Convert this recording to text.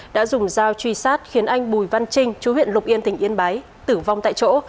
đã dùng dao truy sát khiến anh bùi văn trinh chú huyện lục yên tỉnh yên bái tử vong tại chỗ